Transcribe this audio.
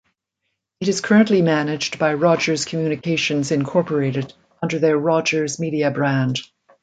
It is currently managed by Rogers Communications Incorporated under their Rogers Media brand.